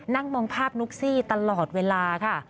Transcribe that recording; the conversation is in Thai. นั่งมองภาพนุ๊กซี่ตลอดเวลาค่ะ